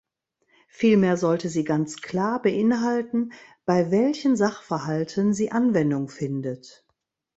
Vielmehr sollte sie ganz klar beinhalten, bei welchen Sachverhalten sie Anwendung findet.